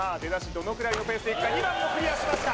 どのくらいのペースで２番もクリアしました